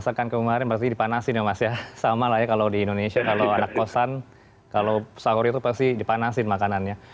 masakan kemarin pasti dipanasin ya mas ya sama lah ya kalau di indonesia kalau anak kosan kalau sahur itu pasti dipanasin makanannya